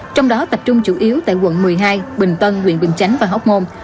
trong đó tập trung chủ yếu tại quận một mươi hai bình tân nguyện quyền chánh và hóc môn